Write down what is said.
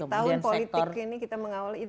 tahun politik ini kita mengawal itu